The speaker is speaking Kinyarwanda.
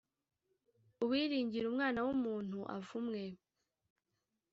Uwiringira umwana wumuntu avumwe